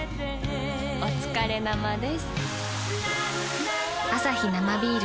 おつかれ生です。